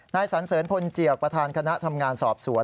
สันเสริญพลเจียกประธานคณะทำงานสอบสวน